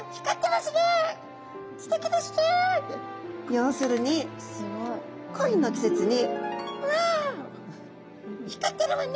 要するに恋の季節に「うわ光ってるわね」